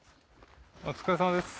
お疲れさまです。